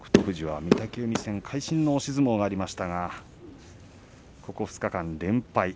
富士は御嶽海戦会心の押し相撲がありましたがここ２日間連敗。